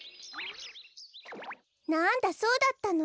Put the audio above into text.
なんだそうだったの。